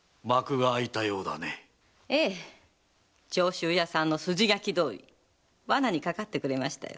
ええ上州屋さんの筋書きどおり罠にかかってくれましたよ。